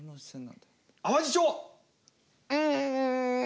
うん。